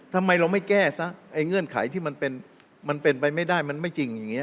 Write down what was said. ทำไมเราไม่แก้ซะไอ้เงื่อนไขที่มันเป็นไปไม่ได้มันไม่จริงอย่างนี้